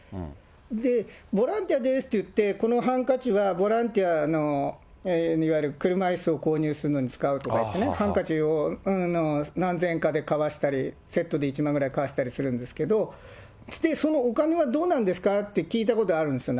で、ボランティアですって言って、このハンカチはボランティアの、いわゆる車いすを購入するのに使うとか言ってね、ハンカチを、何千円かで買わせたり、セットで１万円ぐらい買わせたりするんですけど、そのお金はどうなるんですかって聞いたことがあるんですよ。